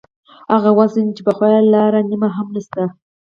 هغه وزن چې پخوا یې لاره نیم هم نشته.